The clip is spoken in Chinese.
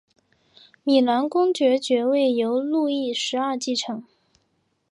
米兰公爵爵位由路易十二继承。